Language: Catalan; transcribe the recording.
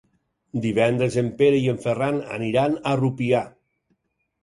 Divendres en Pere i en Ferran aniran a Rupià.